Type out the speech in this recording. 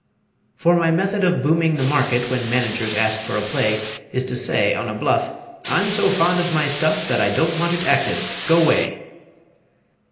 For my method of booming the market When Managers ask for a play Is to say on a bluff, "I'm so fond of my stuff That I don't want it acted go 'way!"